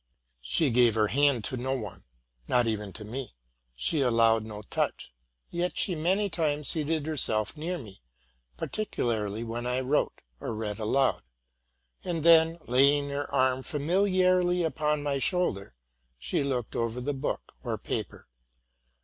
She gave her hand to no one, not even to me; she allowed no touch: yet she many times seated herself near me, particularly when I wrote, or read aloud, and then, laying her arm familiarly upon my shoulder, she looked over the book or paper.